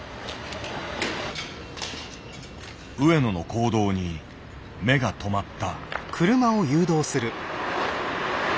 上野の行動に目が留まった。